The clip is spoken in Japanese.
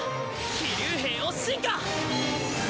騎竜兵を進化！